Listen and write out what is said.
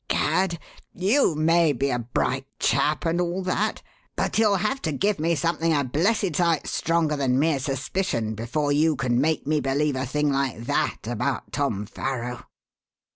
Gad! you may be a bright chap and all that, but you'll have to give me something a blessed sight stronger than mere suspicion before you can make me believe a thing like that about Tom Farrow."